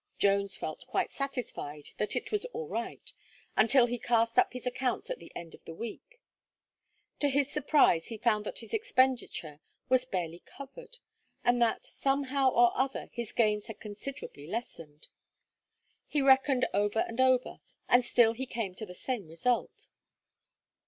Jones felt quite satisfied "that it was all right," until he cast up his accounts at the end of the week. To his surprise, he found that his expenditure was barely covered, and that, somehow or other, his gains had considerably lessened. He reckoned over and over, and still he came to the same result.